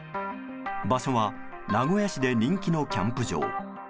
場所は名古屋市で人気のキャンプ場。